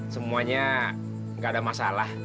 semuanya nggak ada masalah